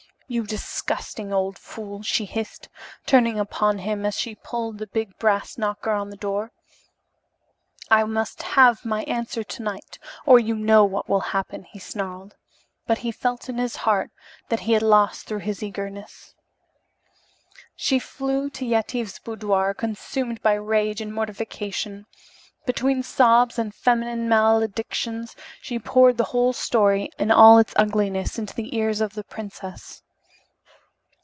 "You disgusting old fool," she hissed, turning upon him as she pulled the big brass knocker on the door. "I must have my answer to night, or you know what will happen," he snarled, but he felt in his heart that he had lost through his eagerness. She flew to Yetive's boudoir, consumed by rage and mortification. Between sobs and feminine maledictions she poured the whole story, in all its ugliness, into the ears of the princess.